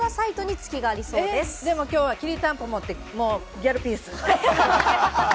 でも今日はきりたんぽ持ってギャルピース。